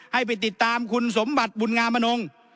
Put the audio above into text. ให้ไปติดตามคุณสมบัติบุญงามนง